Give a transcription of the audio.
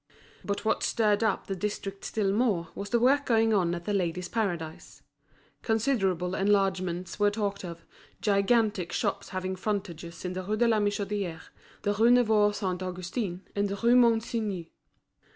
But what stirred up the district still more, was the work going on at The Ladies' Paradise. Considerable enlargements were talked of, gigantic shops having frontages in the Rue de la Michodière, the Rue Neuve Saint Augustin, and the Rue Monsigny.